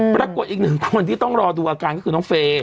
ปรากฏอีกหนึ่งคนที่ต้องรอดูอาการก็คือน้องเฟย์